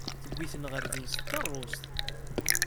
Tewwi-ten ɣer din s tkeṛṛust.